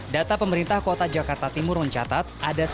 data pemerintah kota jakarta timur mencatat